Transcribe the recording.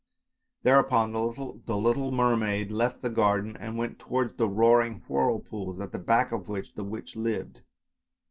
" Thereupon the little mermaid left the garden and went towards the roaring whirlpools at the back of which the witch lived.